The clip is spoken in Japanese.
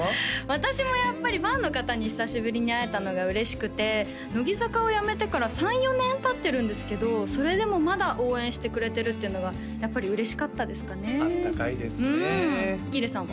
私もやっぱりファンの方に久しぶりに会えたのが嬉しくて乃木坂をやめてから３４年たってるんですけどそれでもまだ応援してくれてるっていうのがやっぱり嬉しかったですかねあったかいですねうん喜入さんは？